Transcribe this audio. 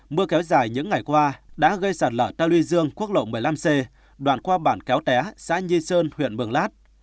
mưa kéo dài những ngày qua đã gây sạt lở ta luy dương quốc lộ một mươi năm c đoạn qua bản kéo té xã nhi sơn huyện mường lát